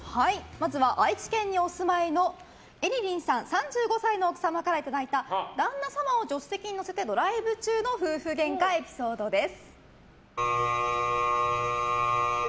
まずは愛知県にお住まいのえりりんさん、３５歳の奥様からいただいた旦那様を助手席に乗せてドライブ中の夫婦げんかエピソードです。